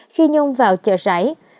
khi nhung vào chợ rảy